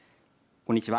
こんにちは。